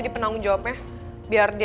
lihat aja tuh lidernya